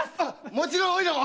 もちろんおいらも！